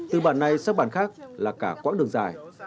từ bản này sang bản khác là cả quãng đường dài